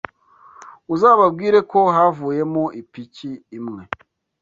Uzababwire ko havuyemo ipiki imwe